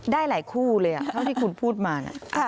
ได้หลายคู่เลยเท่าที่คุณพูดมานะ